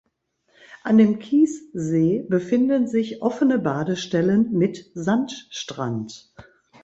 An dem Kiessee befinden sich offene Badestellen mit Sandstrand.